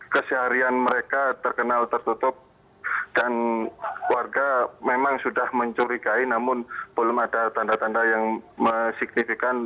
keseharian mereka terkenal tertutup dan warga memang sudah mencurigai namun belum ada tanda tanda yang signifikan